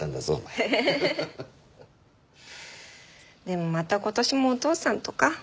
でもまた今年もお父さんとか。